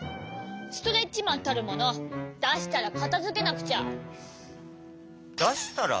ストレッチマンたるものだしたらかたづけなくちゃ！